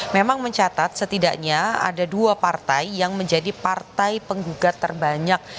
memang mencatat setidaknya ada dua partai yang menjadi partai penggugat terbanyak